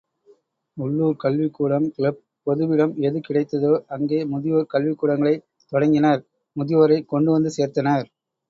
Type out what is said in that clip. உள்ளுர்க் கல்விக்கூடம், கிளப், பொதுவிடம், எது கிடைத்ததோ, அங்கே, முதியோர் கல்விக்கூடங்களைத் தொடங்கினர் முதியோரைக் கொண்டுவந்து சேர்த்தனர்.